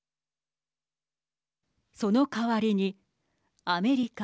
その代わりにアメリカ